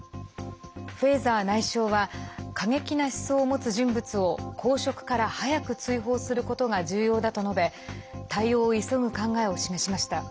フェーザー内相は過激な思想を持つ人物を公職から早く追放することが重要だと述べ対応を急ぐ考えを示しました。